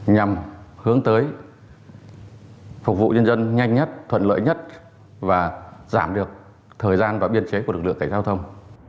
nhằm hướng tới phục vụ nhân dân nhanh nhất thuận lợi nhất và giảm được thời gian và biên chế của lực lượng cảnh giao thông